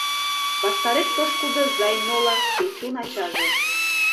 Ваштареш пошкудо Зайнола, Печун ачаже.